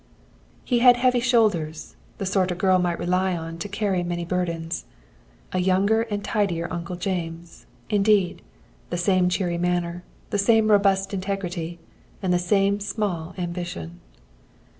He had heavy shoulders, the sort a girl might rely on to carry many burdens. A younger and tidier Uncle James, indeed the same cheery manner, the same robust integrity, and the same small ambition.